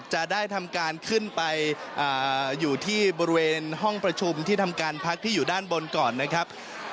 จะได้ทำการขึ้นไปอยู่ที่บริเวณห้องประชุมที่ทำการพักที่อยู่ด้านบนก่อนนะครับ